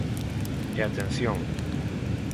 E atención.